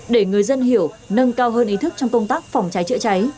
để người dân hiểu nâng cao hơn ý thức trong công tác phòng cháy chữa cháy